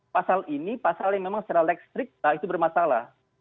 pasal ini pasal yang memang secara listrik itu bermasalah